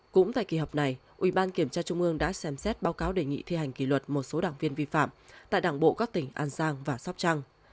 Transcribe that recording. cũng tại kỳ họp này ủy ban kiểm tra trung ương đã xem xét báo cáo đề nghị thi hành kỷ luật một số đảng viên vi phạm tại đảng bộ các tỉnh an giang và sóc trăng